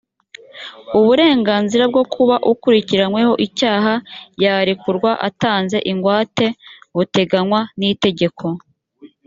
uburenganzira bwo kuba ukurikiranyweho icyaha yarekurwa atanze ingwate buteganywa n itegeko